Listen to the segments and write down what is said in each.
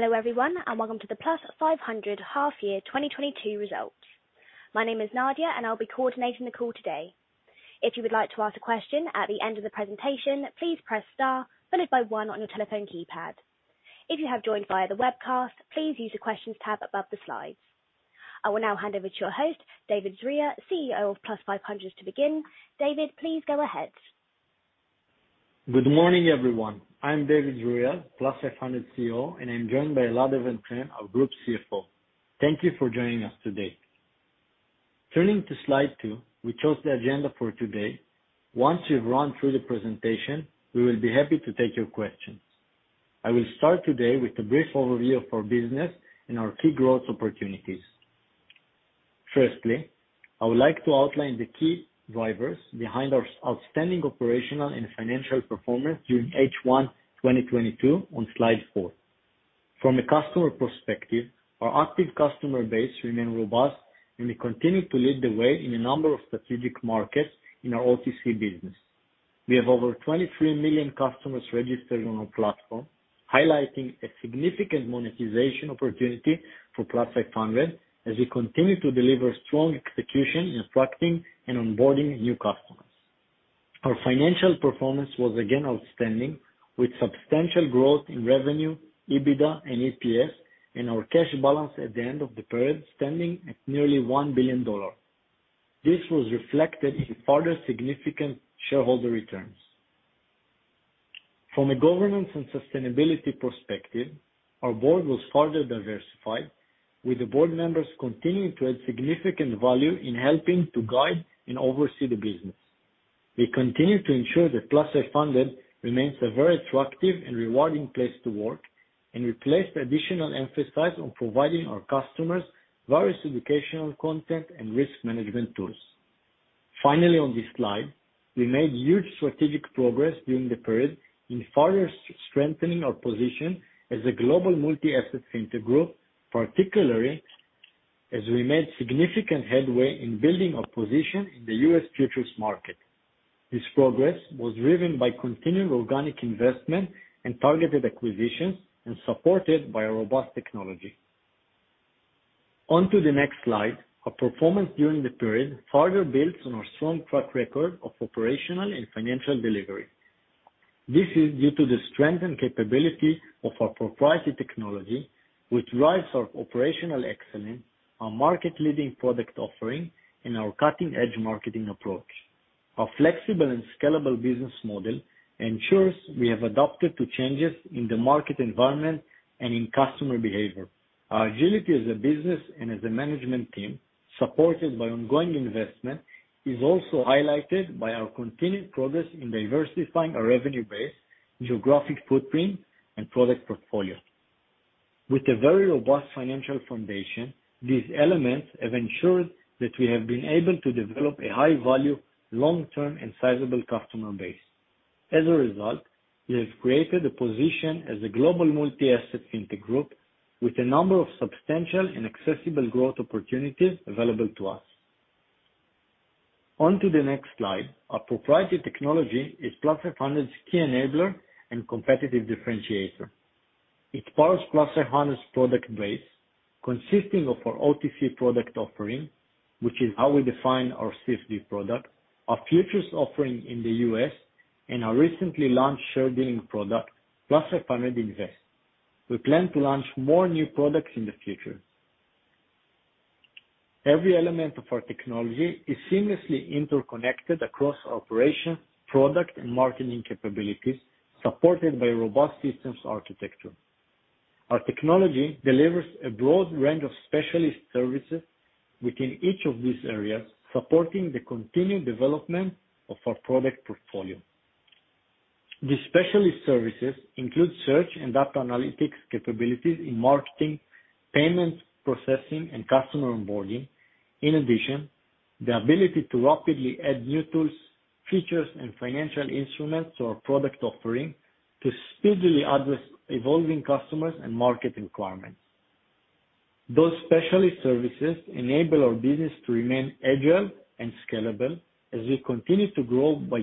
Hello everyone, and welcome to the Plus500 Half-Year 2022 Results. My name is Nadia, and I'll be coordinating the call today. If you would like to ask a question at the end of the presentation, please press star followed by one on your telephone keypad. If you have joined via the webcast, please use the questions tab above the slides. I will now hand over to your host, David Zruia, CEO of Plus500, to begin. David, please go ahead. Good morning, everyone. I'm David Zruia, Plus500 CEO, and I'm joined by Elad Even-Chen, our Group CFO. Thank you for joining us today. Turning to slide 2, [we chose] the agenda for today. Once we've run through the presentation, we will be happy to take your questions. I will start today with a brief overview of our business and our key growth opportunities. Firstly, I would like to outline the key drivers behind our outstanding operational and financial performance during H1 2022 on slide 4. From a customer perspective, our active customer base remains robust, and we continue to lead the way in a number of strategic markets in our OTC business. We have over 23 million customers registered on our platform, highlighting a significant monetization opportunity for Plus500 as we continue to deliver strong execution in attracting and onboarding new customers. Our financial performance was again outstanding, with substantial growth in revenue, EBITDA, and EPS, and our cash balance at the end of the period standing at nearly $1 billion. This was reflected in further significant shareholder returns. From a governance and sustainability perspective, our board was further diversified, with the board members continuing to add significant value in helping to guide and oversee the business. We continue to ensure that Plus500 remains a very attractive and rewarding place to work, and we placed additional emphasis on providing our customers various educational content and risk management tools. Finally, on this slide, we made huge strategic progress during the period in further strengthening our position as a global multi-asset fintech group, particularly as we made significant headway in building our position in the U.S. futures market. This progress was driven by continued organic investment and targeted acquisitions, and supported by a robust technology. Onto the next slide, our performance during the period further builds on our strong track record of operational and financial delivery. This is due to the strength and capability of our proprietary technology, which drives our operational excellence, our market-leading product offering, and our cutting-edge marketing approach. Our flexible and scalable business model ensures we have adapted to changes in the market environment and in customer behavior. Our agility as a business and as a management team, supported by ongoing investment, is also highlighted by our continued progress in diversifying our revenue base, geographic footprint, and product portfolio. With a very robust financial foundation, these elements have ensured that we have been able to develop a high-value, long-term, and sizeable customer base. As a result, we have created a position as a global multi-asset fintech group with a number of substantial and accessible growth opportunities available to us. Onto the next slide, our proprietary technology is Plus500's key enabler and competitive differentiator. It powers Plus500's product base, consisting of our OTC product offering, which is how we define our CFD product, our futures offering in the U.S., and our recently launched share-dealing product, Plus500 Invest. We plan to launch more new products in the future. Every element of our technology is seamlessly interconnected across operations, product, and marketing capabilities, supported by a robust systems architecture. Our technology delivers a broad range of specialist services within each of these areas, supporting the continued development of our product portfolio. These specialist services include search and data analytics capabilities in marketing, payment processing, and customer onboarding. In addition, the ability to rapidly add new tools, features, and financial instruments to our product offering to speedily address evolving customers and market requirements. Those specialist services enable our business to remain agile and scalable as we continue to grow by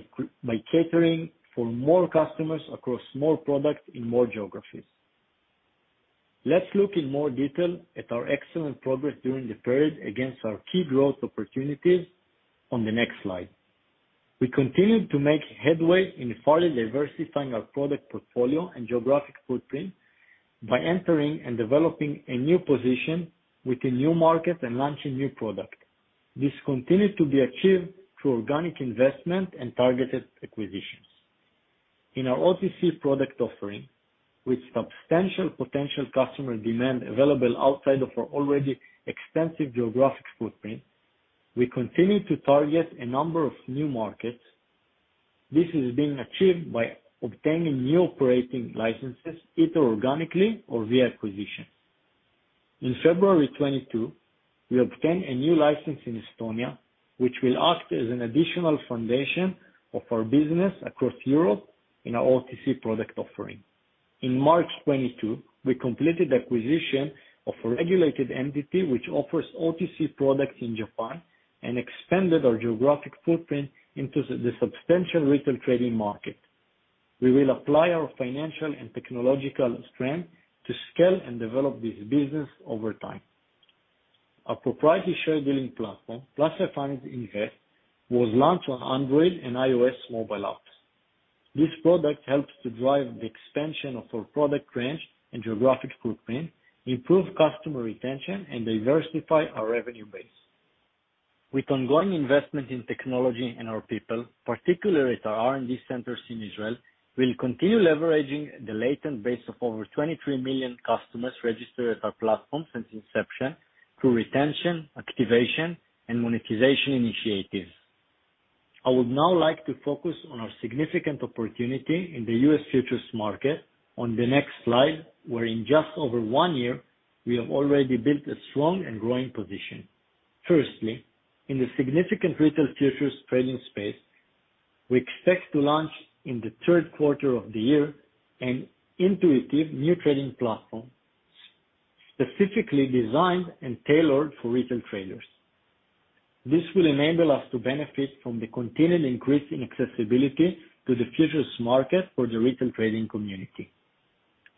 catering for more customers across more products in more geographies. Let's look in more detail at our excellent progress during the period against our key growth opportunities on the next slide. We continue to make headway in further diversifying our product portfolio and geographic footprint by entering and developing a new position within new markets and launching new products. This continues to be achieved through organic investment and targeted acquisitions. In our OTC product offering, with substantial potential customer demand available outside of our already extensive geographic footprint, we continue to target a number of new markets. This is being achieved by obtaining new operating licenses, either organically or via acquisitions. In February 2022, we obtained a new license in Estonia, which will act as an additional foundation of our business across Europe in our OTC product offering. In March 2022, we completed acquisition of a regulated entity which offers OTC products in Japan and expanded our geographic footprint into the substantial retail trading market. We will apply our financial and technological strength to scale and develop this business over time. Our proprietary share-dealing platform, Plus500 Invest, was launched on Android and iOS mobile apps. This product helps to drive the expansion of our product range and geographic footprint, improve customer retention, and diversify our revenue base. With ongoing investment in technology and our people, particularly at our R&D centers in Israel, we'll continue leveraging the latent base of over 23 million customers registered at our platform since inception through retention, activation, and monetization initiatives. I would now like to focus on our significant opportunity in the U.S. futures market on the next slide, where in just over one year, we have already built a strong and growing position. Firstly, in the significant retail futures trading space, we expect to launch in the third quarter of the year an intuitive new trading platform specifically designed and tailored for retail traders. This will enable us to benefit from the continued increase in accessibility to the futures market for the retail trading community.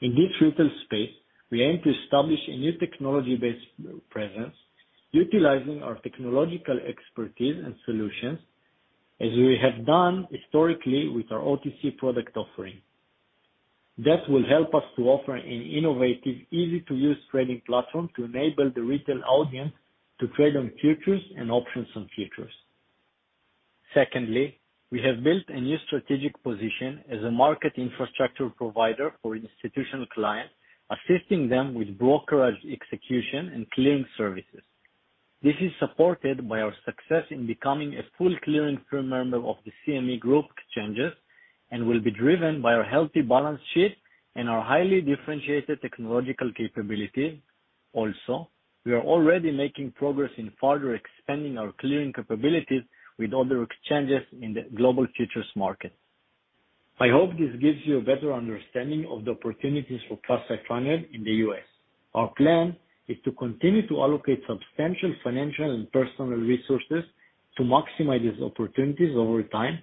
In this retail space, we aim to establish a new technology-based presence utilizing our technological expertise and solutions as we have done historically with our OTC product offering. That will help us to offer an innovative, easy-to-use trading platform to enable the retail audience to trade on futures and options on futures. Secondly, we have built a new strategic position as a market infrastructure provider for institutional clients, assisting them with brokerage execution and clearing services. This is supported by our success in becoming a full clearing firm member of the CME Group Exchanges and will be driven by our healthy balance sheet and our highly differentiated technological capabilities. Also, we are already making progress in further expanding our clearing capabilities with other exchanges in the global futures market. I hope this gives you a better understanding of the opportunities for Plus500 in the U.S. Our plan is to continue to allocate substantial financial and personal resources to maximize these opportunities over time,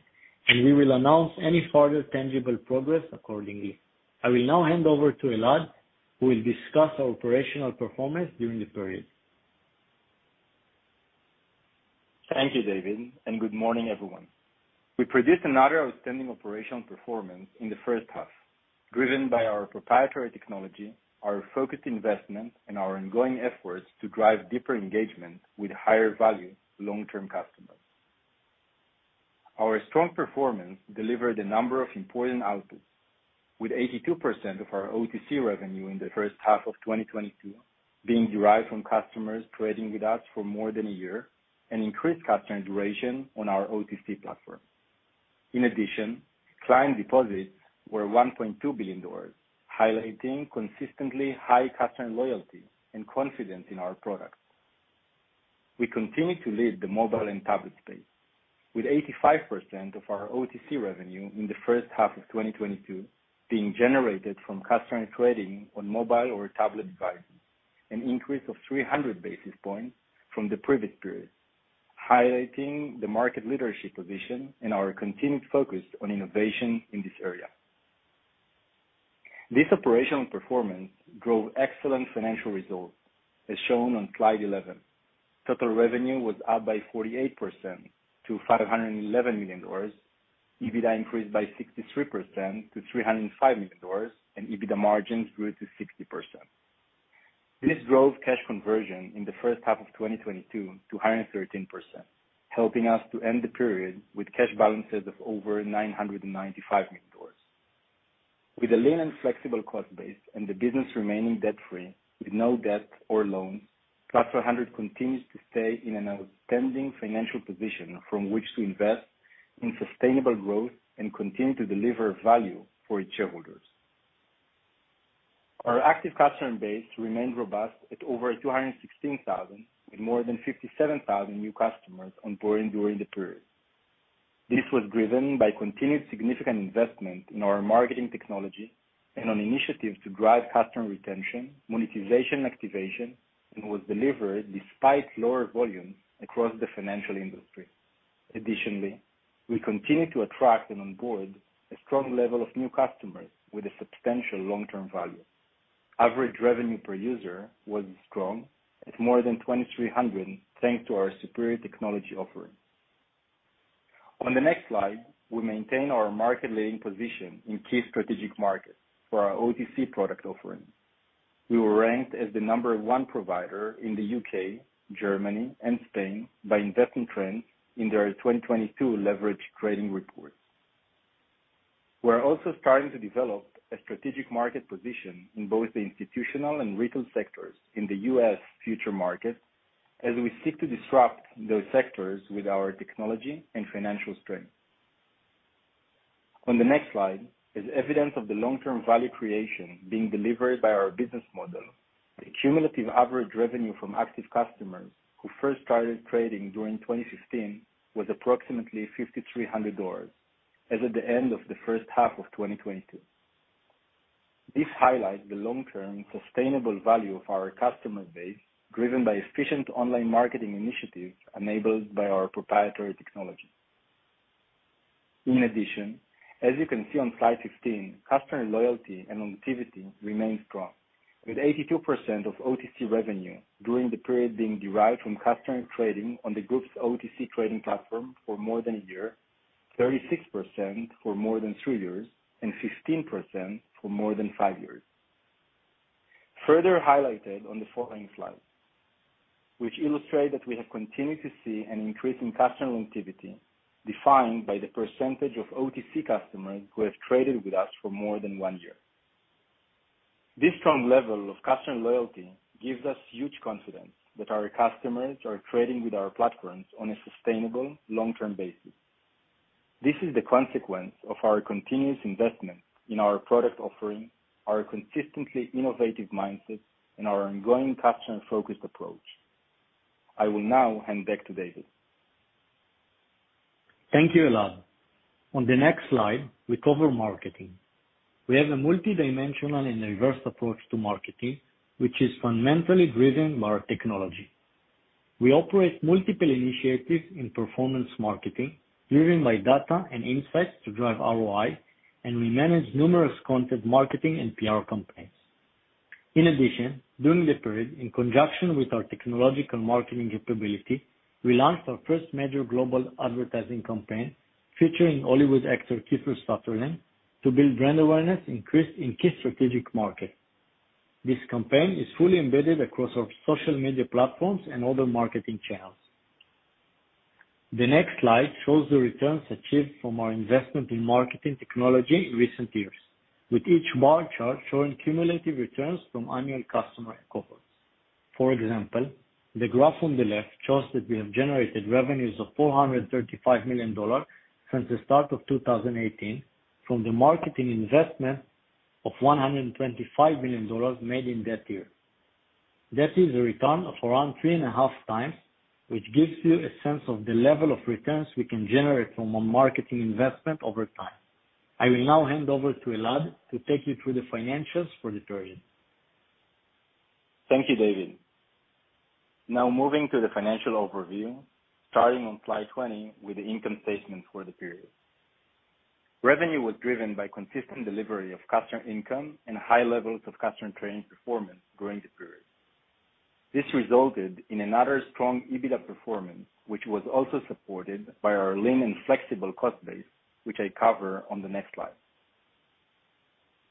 and we will announce any further tangible progress accordingly. I will now hand over to Elad, who will discuss our operational performance during the period. Thank you, David, and good morning, everyone. We produced another outstanding operational performance in the first half, driven by our proprietary technology, our focused investment, and our ongoing efforts to drive deeper engagement with higher-value, long-term customers. Our strong performance delivered a number of important outputs, with 82% of our OTC revenue in the first half of 2022 being derived from customers trading with us for more than a year and increased customer duration on our OTC platform. In addition, client deposits were $1.2 billion, highlighting consistently high customer loyalty and confidence in our products. We continue to lead the mobile and tablet space, with 85% of our OTC revenue in the first half of 2022 being generated from customer trading on mobile or tablet devices, an increase of 300 basis points from the previous period, highlighting the market leadership position and our continued focus on innovation in this area. This operational performance drove excellent financial results, as shown on slide 11. Total revenue was up by 48% to $511 million, EBITDA increased by 63% to $305 million, and EBITDA margins grew to 60%. This drove cash conversion in the first half of 2022 to 113%, helping us to end the period with cash balances of over $995 million. With a lean and flexible cost base and the business remaining debt-free, with no debt or loans, Plus500 continues to stay in an outstanding financial position from which to invest in sustainable growth and continue to deliver value for its shareholders. Our active customer base remained robust at over 216,000, with more than 57,000 new customers onboarded during the period. This was driven by continued significant investment in our marketing technology and on initiatives to drive customer retention, monetization, and activation, and was delivered despite lower volumes across the financial industry. Additionally, we continue to attract and onboard a strong level of new customers with a substantial long-term value. Average revenue per user was strong at more than $2,300 thanks to our superior technology offering. On the next slide, we maintain our market-leading position in key strategic markets for our OTC product offering. We were ranked as the number one provider in the U.K., Germany, and Spain by Investment Trends in their 2022 leveraged trading report. We are also starting to develop a strategic market position in both the institutional and retail sectors in the U.S. futures markets as we seek to disrupt those sectors with our technology and financial strength. On the next slide, as evidence of the long-term value creation being delivered by our business model, the cumulative average revenue from active customers who first started trading during 2015 was approximately $5,300 as at the end of the first half of 2022. This highlights the long-term sustainable value of our customer base driven by efficient online marketing initiatives enabled by our proprietary technology. In addition, as you can see on slide 15, customer loyalty and longevity remain strong, with 82% of OTC revenue during the period being derived from customer trading on the group's OTC trading platform for more than a year, 36% for more than three years, and 15% for more than five years, further highlighted on the following slides, which illustrate that we have continued to see an increase in customer longevity defined by the percentage of OTC customers who have traded with us for more than one year. This strong level of customer loyalty gives us huge confidence that our customers are trading with our platforms on a sustainable, long-term basis. This is the consequence of our continuous investment in our product offering, our consistently innovative mindset, and our ongoing customer-focused approach. I will now hand back to David. Thank you, Elad. On the next slide, we cover marketing. We have a multidimensional and diverse approach to marketing, which is fundamentally driven by our technology. We operate multiple initiatives in performance marketing driven by data and insights to drive ROI, and we manage numerous content marketing and PR campaigns. In addition, during the period, in conjunction with our technological marketing capability, we launched our first major global advertising campaign featuring Hollywood actor Kiefer Sutherland to build brand awareness in key strategic markets. This campaign is fully embedded across our social media platforms and other marketing channels. The next slide shows the returns achieved from our investment in marketing technology in recent years, with each bar chart showing cumulative returns from annual customer cohorts. For example, the graph on the left shows that we have generated revenues of $435 million since the start of 2018 from the marketing investment of $125 million made in that year. That is a return of around 3.5x, which gives you a sense of the level of returns we can generate from our marketing investment over time. I will now hand over to Elad to take you through the financials for the period. Thank you, David. Now moving to the financial overview, starting on slide 20 with the income statements for the period. Revenue was driven by consistent delivery of customer income and high levels of customer training performance during the period. This resulted in another strong EBITDA performance, which was also supported by our lean and flexible cost base, which I cover on the next slide.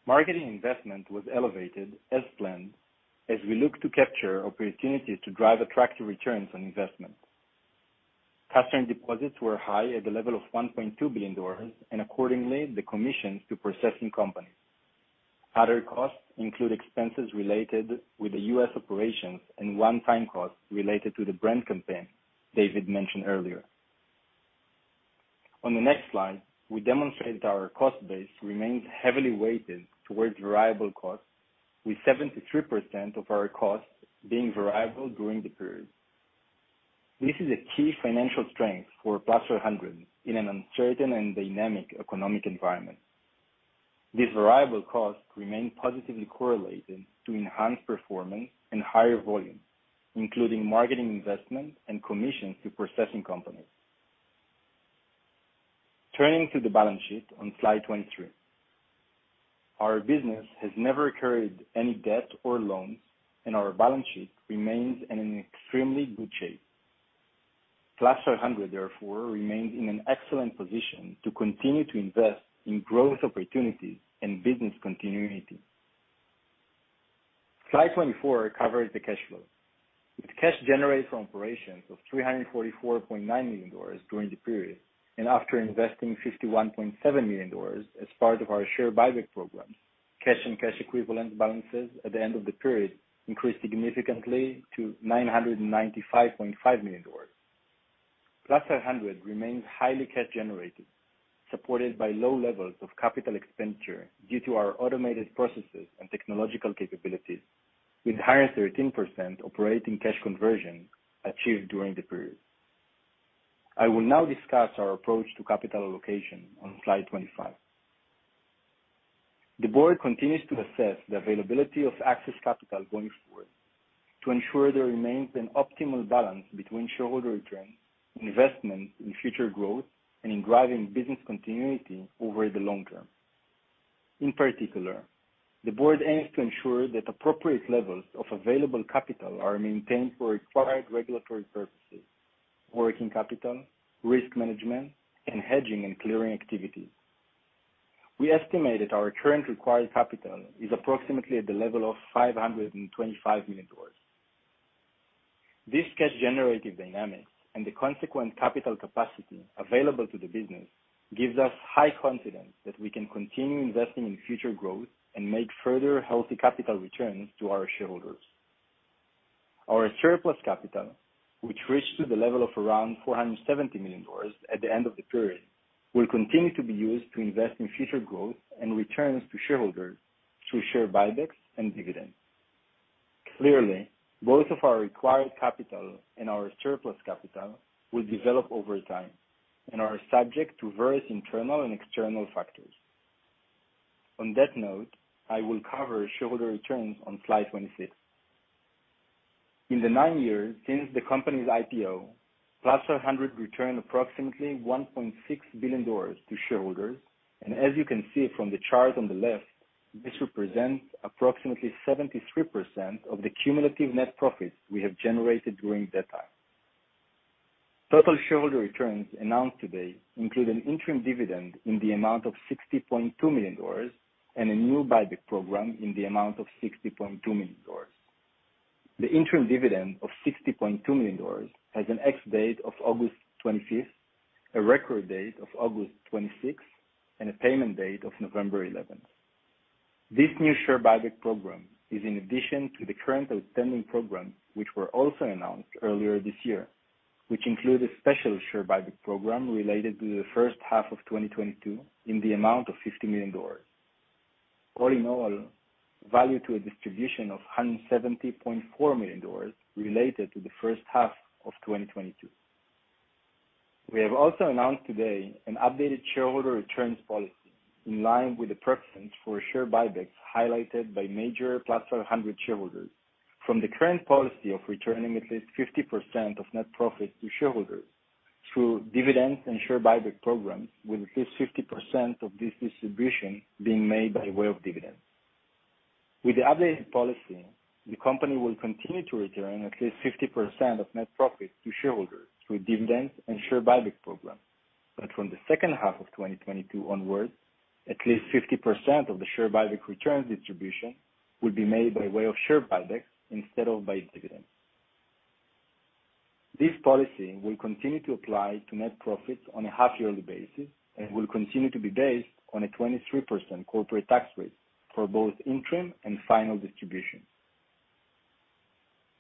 Marketing investment was elevated as planned as we looked to capture opportunities to drive attractive returns on investment. Customer deposits were high at the level of $1.2 billion and, accordingly, the commissions to processing companies. Other costs include expenses related with the U.S. operations and one-time costs related to the brand campaign David mentioned earlier. On the next slide, we demonstrated our cost base remains heavily weighted towards variable costs, with 73% of our costs being variable during the period. This is a key financial strength for Plus500 in an uncertain and dynamic economic environment. These variable costs remain positively correlated to enhanced performance and higher volumes, including marketing investment and commissions to processing companies. Turning to the balance sheet on slide 23, our business has never incurred any debt or loans, and our balance sheet remains in an extremely good shape. Plus500, therefore, remains in an excellent position to continue to invest in growth opportunities and business continuity. Slide 24 covers the cash flow. With cash generated from operations of $344.9 million during the period and after investing $51.7 million as part of our share buyback programs, cash and cash equivalent balances at the end of the period increased significantly to $995.5 million. Plus500 remains highly cash-generated, supported by low levels of capital expenditure due to our automated processes and technological capabilities, with higher 13% operating cash conversion achieved during the period. I will now discuss our approach to capital allocation on slide 25. The board continues to assess the availability of access capital going forward to ensure there remains an optimal balance between shareholder returns, investments in future growth, and in driving business continuity over the long term. In particular, the board aims to ensure that appropriate levels of available capital are maintained for required regulatory purposes, working capital, risk management, and hedging and clearing activities. We estimate that our current required capital is approximately at the level of $525 million. This cash-generative dynamics and the consequent capital capacity available to the business gives us high confidence that we can continue investing in future growth and make further healthy capital returns to our shareholders. Our surplus capital, which reached the level of around $470 million at the end of the period, will continue to be used to invest in future growth and returns to shareholders through share buybacks and dividends. Clearly, both of our required capital and our surplus capital will develop over time and are subject to various internal and external factors. On that note, I will cover shareholder returns on slide 26. In the nine years since the company's IPO, Plus500 returned approximately $1.6 billion to shareholders, and as you can see from the chart on the left, this represents approximately 73% of the cumulative net profits we have generated during that time. Total shareholder returns announced today include an interim dividend in the amount of $60.2 million and a new buyback program in the amount of $60.2 million. The interim dividend of $60.2 million has an ex-date of August 25th, a record date of August 26th, and a payment date of November 11th. This new share buyback program is in addition to the current outstanding programs, which were also announced earlier this year, which include a special share buyback program related to the first half of 2022 in the amount of $50 million. All in all, value totals a distribution of $170.4 million related to the first half of 2022. We have also announced today an updated shareholder returns policy in line with the preferences for share buybacks highlighted by major Plus500 shareholders, from the current policy of returning at least 50% of net profits to shareholders through dividends and share buyback programs, with at least 50% of this distribution being made by way of dividends. With the updated policy, the company will continue to return at least 50% of net profits to shareholders through dividends and share buyback programs, but from the second half of 2022 onwards, at least 50% of the share buyback returns distribution will be made by way of share buybacks instead of by dividends. This policy will continue to apply to net profits on a half-yearly basis and will continue to be based on a 23% corporate tax rate for both interim and final distributions.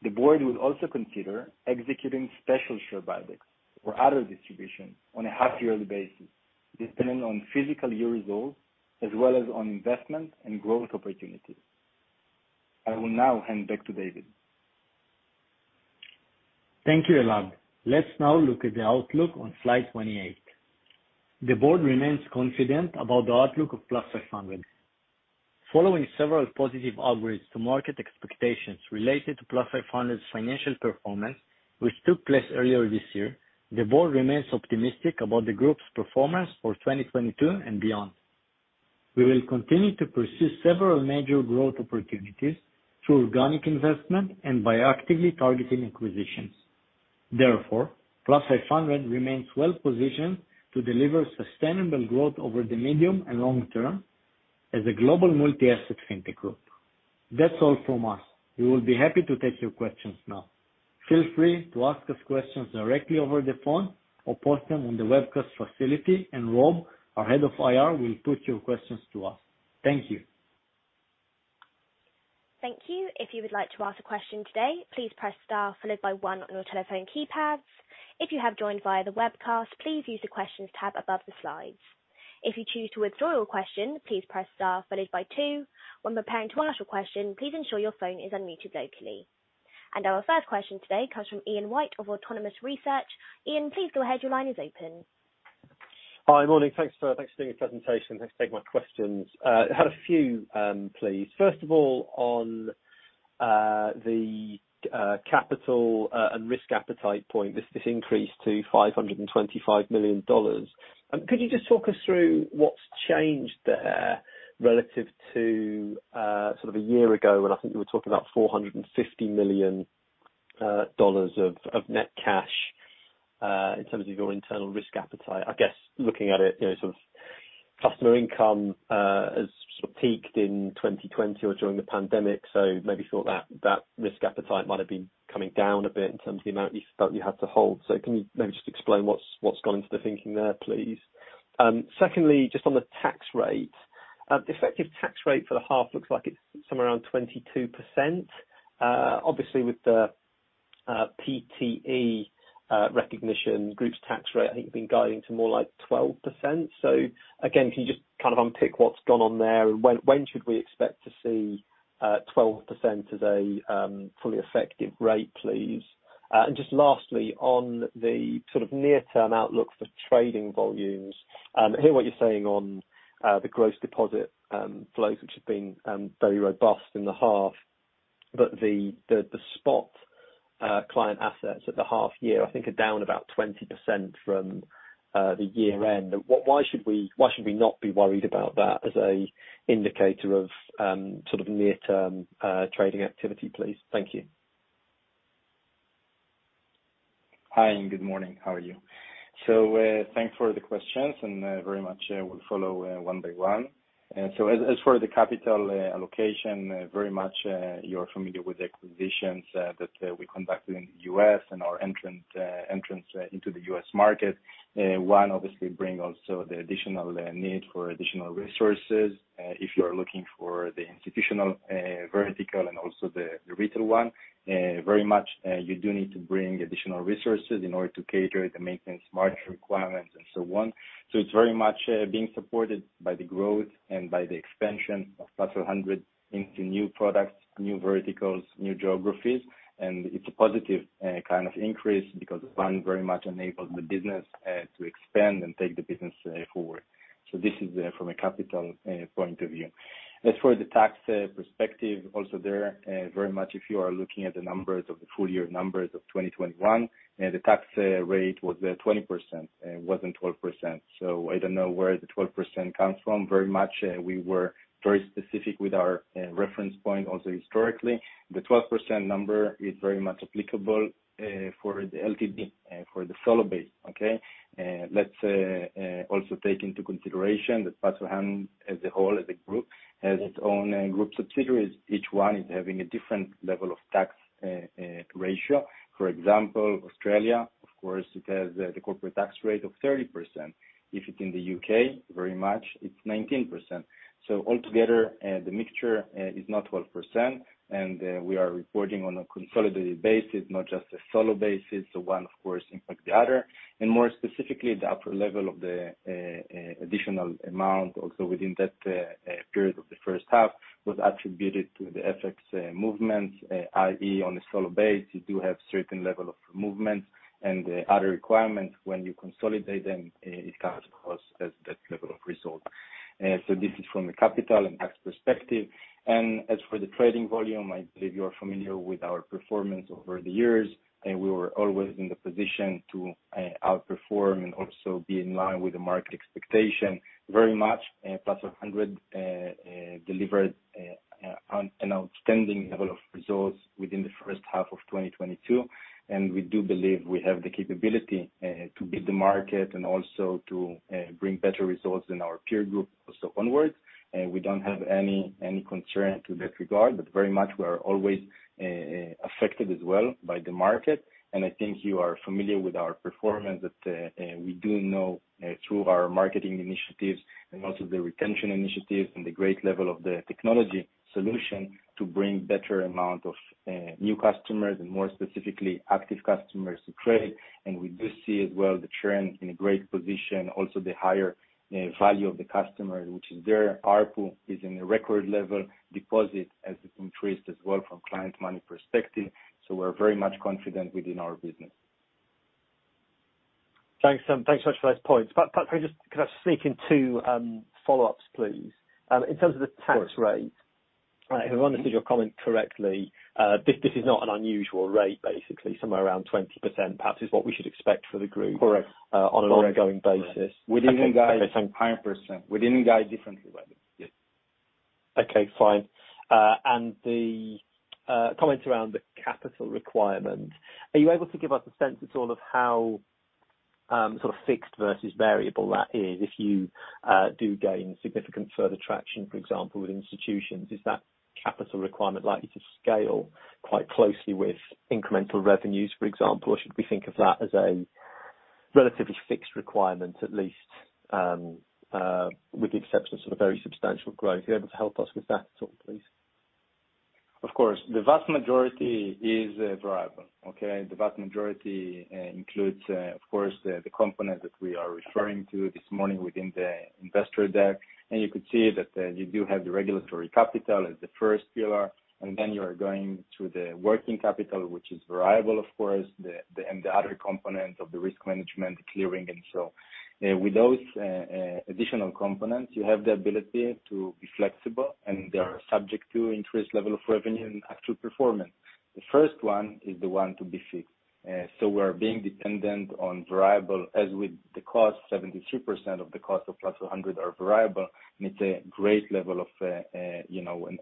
The board will also consider executing special share buybacks or other distributions on a half-yearly basis depending on fiscal year results as well as on investment and growth opportunities. I will now hand back to David. Thank you, Elad. Let's now look at the outlook on slide 28. The board remains confident about the outlook of Plus500. Following several positive upgrades to market expectations related to Plus500's financial performance, which took place earlier this year, the board remains optimistic about the group's performance for 2022 and beyond. We will continue to pursue several major growth opportunities through organic investment and by actively targeting acquisitions. Therefore, Plus500 remains well-positioned to deliver sustainable growth over the medium and long term as a global multi-asset fintech group. That's all from us. We will be happy to take your questions now. Feel free to ask us questions directly over the phone or post them on the webcast facility, and Rob, our head of IR, will put your questions to us. Thank you. Thank you. If you would like to ask a question today, please press star followed by one on your telephone keypads. If you have joined via the webcast, please use the questions tab above the slides. If you choose to withdraw your question, please press star followed by two. When preparing to answer a question, please ensure your phone is unmuted locally. Our first question today comes from Ian White of Autonomous Research. Ian, please go ahead. Your line is open. Hi, morning. Thanks for doing your presentation. Thanks for taking my questions. I had a few, please. First of all, on the capital and risk appetite point, this increase to $525 million. Could you just talk us through what's changed there relative to sort of a year ago when I think you were talking about $450 million of net cash in terms of your internal risk appetite? I guess looking at it, sort of customer income has sort of peaked in 2020 or during the pandemic, so maybe thought that risk appetite might have been coming down a bit in terms of the amount you felt you had to hold. Can you maybe just explain what's gone into the thinking there, please? Secondly, just on the tax rate, the effective tax rate for the half looks like it's somewhere around 22%. Obviously, with the PTE recognition, group's tax rate, I think you've been guiding to more like 12%. Again, can you just kind of unpick what's gone on there and when should we expect to see 12% as a fully effective rate, please? Just lastly, on the sort of near-term outlook for trading volumes, I hear what you're saying on the gross deposit flows, which have been very robust in the half, but the spot client assets at the half-year, I think, are down about 20% from the year-end. Why should we not be worried about that as an indicator of sort of near-term trading activity, please? Thank you. Hi, good morning. How are you? Thanks for the questions, and very much will follow one by one. As for the capital allocation, very much you're familiar with the acquisitions that we conducted in the U.S. and our entrance into the U.S. market. One, obviously, bring also the additional need for additional resources. If you're looking for the institutional vertical and also the retail one, very much you do need to bring additional resources in order to cater to the maintenance market requirements and so on. It's very much being supported by the growth and by the expansion of Plus500 into new products, new verticals, new geographies. It's a positive kind of increase because one very much enables the business to expand and take the business forward. This is from a capital point of view. As for the tax perspective, also there, very much if you are looking at the numbers of the full-year numbers of 2021, the tax rate was 20%, wasn't 12%. I don't know where the 12% comes from. Very much we were very specific with our reference point also historically. The 12% number is very much applicable for the LTD, for the solo basis, okay? Let's also take into consideration that Plus500 as a whole, as a group, has its own group subsidiaries. Each one is having a different level of tax ratio. For example, Australia, of course, it has the corporate tax rate of 30%. If it's in the U.K., very much it's 19%. Altogether, the mixture is not 12%, and we are reporting on a consolidated basis, not just a solo basis. One, of course, impacts the other. More specifically, the upper level of the additional amount also within that period of the first half was attributed to the FX movements, i.e., on a standalone basis, you do have a certain level of movements. The other requirements, when you consolidate them, it comes across as that level of result. This is from a capital and tax perspective. As for the trading volume, I believe you are familiar with our performance over the years. We were always in the position to outperform and also be in line with the market expectation. Very much, Plus500 delivered an outstanding level of results within the first half of 2022, and we do believe we have the capability to beat the market and also to bring better results than our peer group also onwards. We don't have any concern to that regard, but very much we are always affected as well by the market. I think you are familiar with our performance that we do know through our marketing initiatives and also the retention initiatives and the great level of the technology solution to bring better amount of new customers and more specifically active customers to trade. We do see as well the churn in a great position, also the higher value of the customer, which is there. ARPU is in a record level. Deposit has increased as well from client money perspective. We're very much confident within our business. Thanks so much. Thanks so much for those points. Can I just sneak in two follow-ups, please? In terms of the tax rate, if I've understood your comment correctly, this is not an unusual rate, basically, somewhere around 20% perhaps is what we should expect for the group on an ongoing basis. Correct. We didn't guide 5%. We didn't guide differently, by the way. Yes. Okay. Fine. The comments around the capital requirement, are you able to give us a sense at all of how sort of fixed versus variable that is if you do gain significant further traction, for example, with institutions? Is that capital requirement likely to scale quite closely with incremental revenues, for example, or should we think of that as a relatively fixed requirement, at least with the exception of sort of very substantial growth? Are you able to help us with that at all, please? Of course. The vast majority is variable, okay? The vast majority includes, of course, the component that we are referring to this morning within the investor deck. You could see that you do have the regulatory capital as the first pillar, and then you are going through the working capital, which is variable, of course, and the other component of the risk management, the clearing, and so on. With those additional components, you have the ability to be flexible, and they are subject to increased level of revenue and actual performance. The first one is the one to be fixed. We are dependent on variables as with the costs. 73% of the cost of Plus500 are variable, and it's a great level of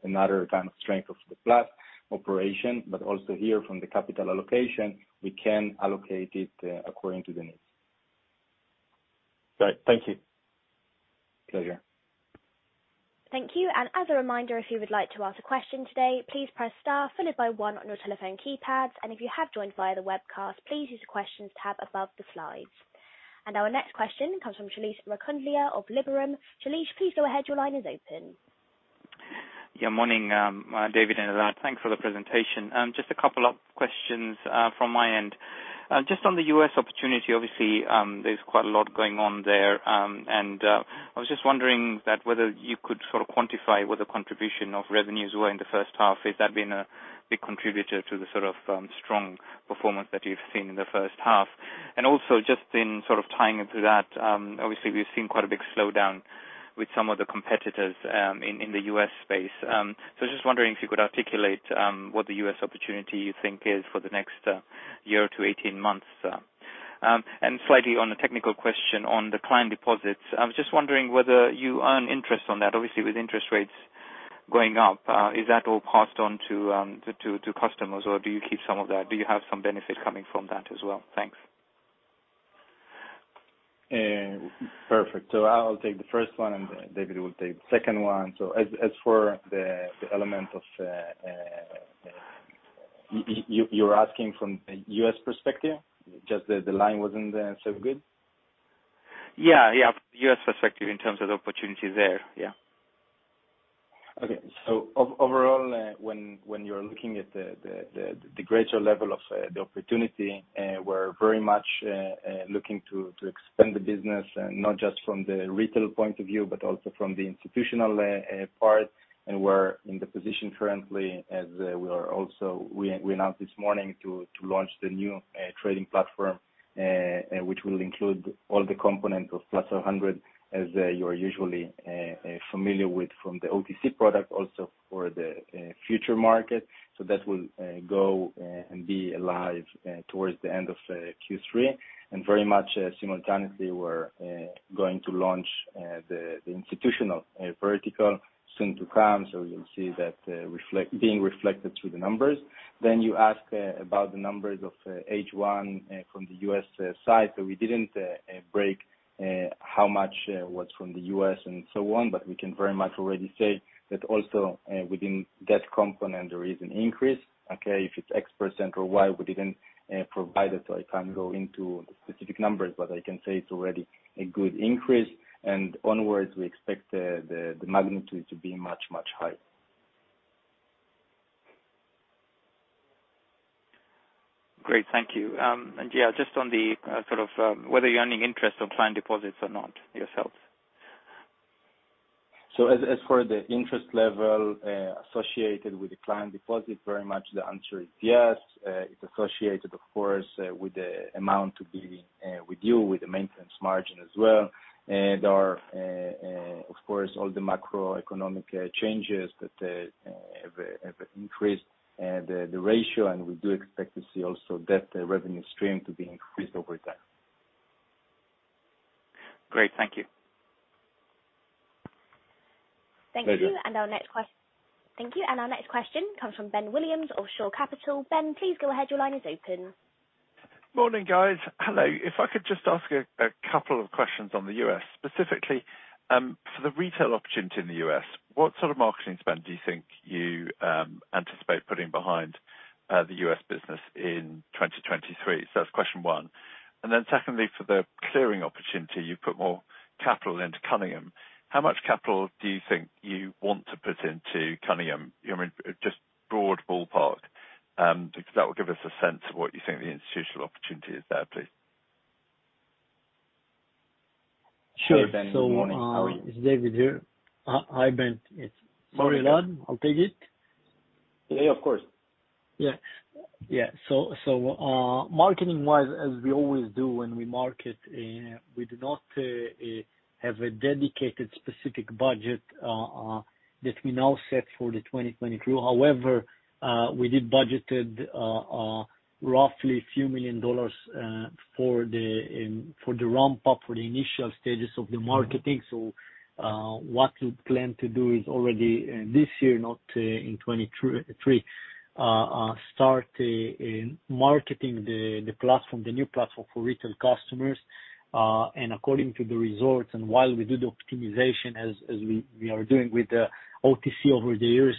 another kind of strength of the Plus500 operation. Also here, from the capital allocation, we can allocate it according to the needs. Great. Thank you. Pleasure. Thank you. As a reminder, if you would like to ask a question today, please press star followed by one on your telephone keypads. If you have joined via the webcast, please use the questions tab above the slides. Our next question comes from Shailesh Raikundlia of Liberum. Shailesh, please go ahead. Your line is open. Yeah. Morning, David and Elad. Thanks for the presentation. Just a couple of questions from my end. Just on the U.S. opportunity, obviously, there's quite a lot going on there. I was just wondering whether you could sort of quantify whether contribution of revenues were in the first half. Has that been a big contributor to the sort of strong performance that you've seen in the first half? Just in sort of tying into that, obviously, we've seen quite a big slowdown with some of the competitors in the U.S. space. I was just wondering if you could articulate what the U.S. opportunity you think is for the next year to 18 months. Slightly on a technical question on the client deposits, I was just wondering whether you earn interest on that. Obviously, with interest rates going up, is that all passed on to customers, or do you keep some of that? Do you have some benefit coming from that as well? Thanks. Perfect. I'll take the first one, and David will take the second one. As for the element of you're asking from the U.S. perspective? Just the line wasn't so good? Yeah. Yeah. U.S. perspective in terms of the opportunity there. Yeah. Okay. Overall, when you're looking at the greater level of the opportunity, we're very much looking to expand the business not just from the retail point of view but also from the institutional part. We're in the position currently as we announced this morning to launch the new trading platform, which will include all the components of Plus500 as you're usually familiar with from the OTC product also for the futures market. That will go live towards the end of Q3. Very much simultaneously, we're going to launch the institutional vertical soon to come, so you'll see that being reflected through the numbers. You asked about the numbers for H1 from the U.S. side. We didn't break how much was from the U.S. and so on, but we can very much already say that also within that component, there is an increase, okay? If it's X% or Y%, we didn't provide it, so I can't go into the specific numbers, but I can say it's already a good increase. Onwards, we expect the magnitude to be much, much higher. Great. Thank you. Yeah, just on the sort of whether you're earning interest on client deposits or not yourselves? As for the interest level associated with the client deposit, very much the answer is yes. It's associated, of course, with the amount to be with you, with the maintenance margin as well. There are, of course, all the macroeconomic changes that have increased the ratio, and we do expect to see also that revenue stream to be increased over time. Great. Thank you. Thank you. Our next question comes from Ben Williams of Shore Capital. Ben, please go ahead. Your line is open. Morning, guys. Hello. If I could just ask a couple of questions on the U.S., specifically for the retail opportunity in the U.S., what sort of marketing spend do you think you anticipate putting behind the U.S. business in 2023? That's question one. Secondly, for the clearing opportunity, you've put more capital into Cunningham. How much capital do you think you want to put into Cunningham? Just broad ballpark because that will give us a sense of what you think the institutional opportunity is there, please. Sure, Ben. Good morning. How are you? It's David here. Hi, Ben. Sorry, Elad. I'll take it. Yeah. Of course. Yeah. Yeah. Marketing-wise, as we always do when we market, we do not have a dedicated specific budget that we now set for the 2023. However, we did budgeted roughly a few million dollars for the ramp-up, for the initial stages of the marketing. What we plan to do is already this year, not in 2023, start marketing the platform, the new platform for retail customers. According to the results, and while we do the optimization as we are doing with the OTC over the years,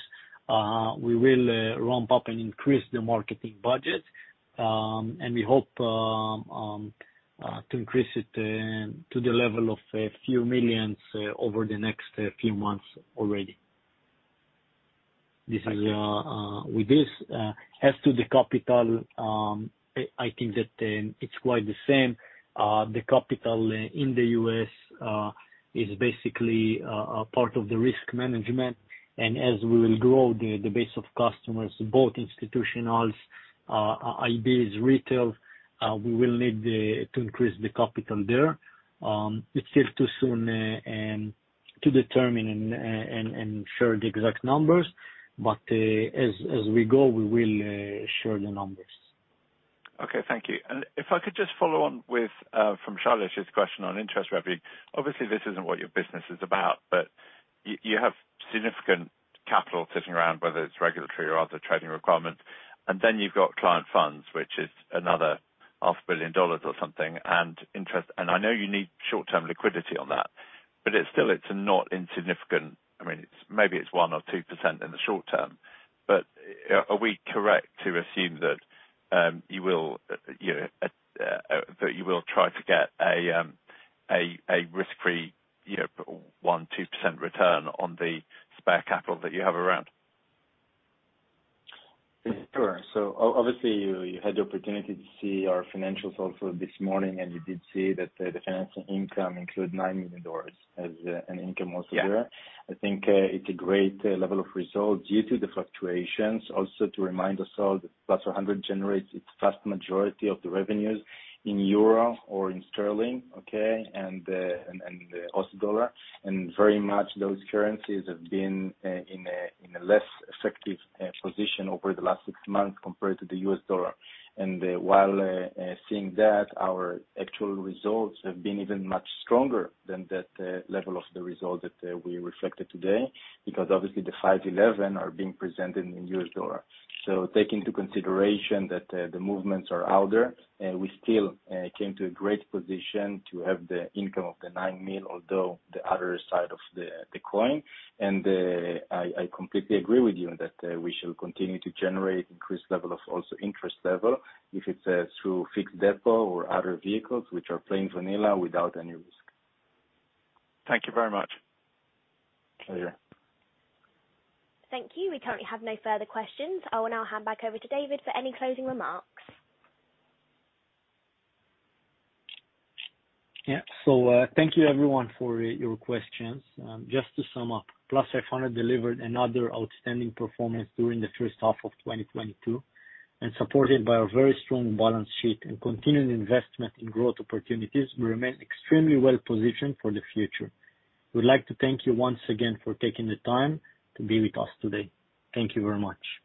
we will ramp up and increase the marketing budget. We hope to increase it to the level of a few millions over the next few months already. This is with this. As to the capital, I think that it's quite the same. The capital in the U.S. is basically part of the risk management. As we will grow the base of customers, both institutionals, IBs, retail, we will need to increase the capital there. It's still too soon to determine and share the exact numbers, but as we go, we will share the numbers. Okay. Thank you. If I could just follow on from Shailesh's question on interest revenue, obviously, this isn't what your business is about, but you have significant capital sitting around, whether it's regulatory or other trading requirements. Then you've got client funds, which is another half a billion dollars or something. I know you need short-term liquidity on that, but still, it's not insignificant. I mean, maybe it's 1% or 2% in the short term. But are we correct to assume that you will try to get a risk-free 1%-2% return on the spare capital that you have around? Sure. Obviously, you had the opportunity to see our financials also this morning, and you did see that the financing income included $9 million as an income also there. I think it's a great level of result due to the fluctuations. Also to remind us all, Plus500 generates its vast majority of the revenues in Euro or in Sterling, okay, and Aussie dollar. Very much those currencies have been in a less effective position over the last six months compared to the U.S. dollar. While seeing that, our actual results have been even much stronger than that level of the result that we reflected today because obviously, the 5-11 are being presented in U.S. dollar. Taking into consideration that the movements are out there, we still came to a great position to have the income of the $9 million, although the other side of the coin. I completely agree with you that we shall continue to generate increased level of also interest level if it's through fixed deposit or other vehicles, which are plain vanilla without any risk. Thank you very much. Pleasure. Thank you. We currently have no further questions. I will now hand back over to David for any closing remarks. Yeah. Thank you, everyone, for your questions. Just to sum up, Plus500 delivered another outstanding performance during the first half of 2022. Supported by our very strong balance sheet and continued investment in growth opportunities, we remain extremely well-positioned for the future. We'd like to thank you once again for taking the time to be with us today. Thank you very much.